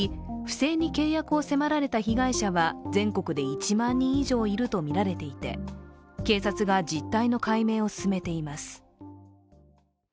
不正に契約を迫られた被害者は全国で１万人以上いるとみられていて、警察が実態の解明を進めています。